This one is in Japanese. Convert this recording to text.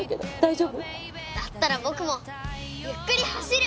だったら僕もゆっくり走る！